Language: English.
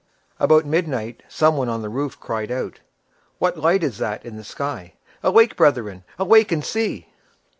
About midnight some one on the roof cried out, "What light is that in the sky? Awake, brethren, awake and see!"